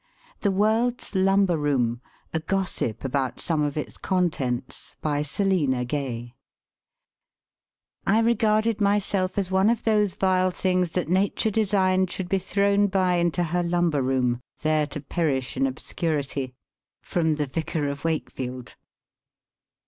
THE WORLD'S LUMBER ROOM A Gossip about some of its Contents BY SELINA GAVE. " I regarded myself as one of those vile things that Nature designed should be thrown by into her lumber room, there to perish in obscurity." Vicar of Wakefield.